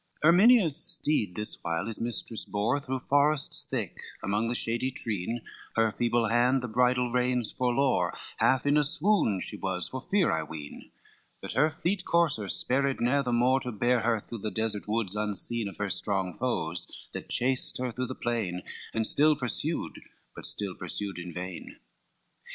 I Erminia's steed this while his mistress bore Through forests thick among the shady treen, Her feeble hand the bridle reins forlore, Half in a swoon she was, for fear I ween; But her fleet courser spared ne'er the more, To bear her through the desert woods unseen Of her strong foes, that chased her through the plain, And still pursued, but still pursued in vain.